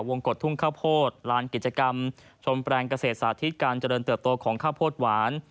กฎทุ่งข้าวโพดลานกิจกรรมชมแปลงเกษตรสาธิตการเจริญเติบโตของข้าวโพดหวาน